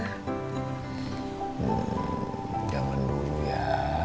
hmm jangan dulu ya